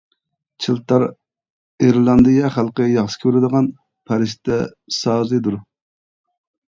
چىلتار ئىرېلاندىيە خەلقى ياخشى كۆرىدىغان ‹ ‹پەرىشتە سازى› › دۇر.